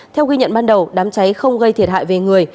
theo ghi nhận ban đầu đám cháy không gây thiệt hại về người